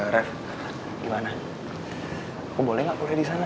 reva gimana lo boleh gak boleh di sana